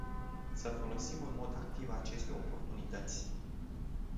Să folosim în mod activ aceste oportunități.